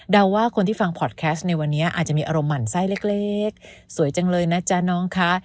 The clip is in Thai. ว่าคนที่ฟังพอดแคสต์ในวันนี้อาจจะมีอารมณ์หมั่นไส้เล็กสวยจังเลยนะจ๊ะน้องคะ